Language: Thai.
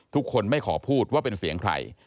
ทุกคนไม่ขอพูดว่าเป็นเสียงใคร